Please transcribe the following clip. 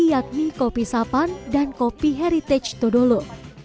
yakni kopi sapan dan kopi heritage todolo